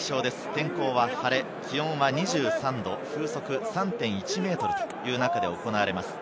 天候は晴れ、気温は２３度、風速３．１メートルという中で行われます。